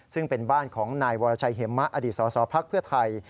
ซึ่งเป็นบ้านของนายวรชัยเหมะอดีตสสพักเพื่อไทย